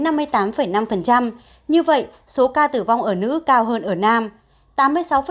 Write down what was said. như vậy số ca tử vong ở nữ cao hơn ở nam